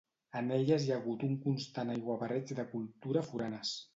En elles hi ha hagut un constant aiguabarreig de cultura foranes